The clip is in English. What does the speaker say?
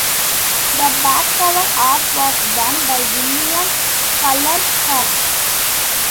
The back cover art was done by William Cullen Hart.